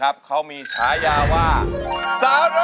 ครับเท่าไหร่